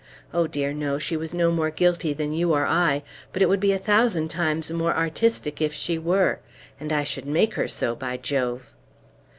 Oh, dear, no; she was no more guilty than you or I; but it would be a thousand times more artistic if she were; and I should make her so, by Jove!"